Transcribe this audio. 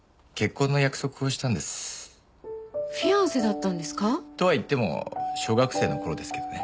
フィアンセだったんですか？とはいっても小学生の頃ですけどね。